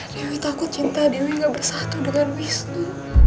tapi takut cinta dewi gak bersatu dengan wisnu